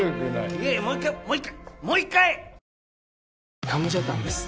いやいやもう一回もう一回。